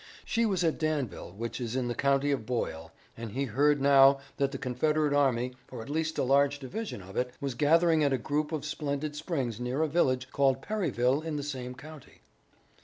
She was at Danville, which is in the county of Boyle, and he heard now that the Confederate army, or at least a large division of it, was gathering at a group of splendid springs near a village called Perryville in the same county.